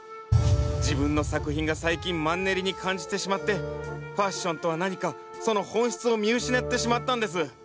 自分の作品が最近マンネリに感じてしまってファッションとは何かその本質を見失ってしまったんです。